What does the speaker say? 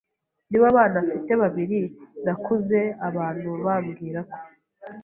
nibo bana mfite babiri, nakuze abantu bambwirako